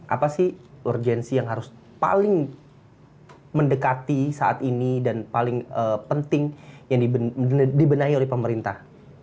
apa sih urgensi yang harus paling mendekati saat ini dan paling penting yang dibenahi oleh pemerintah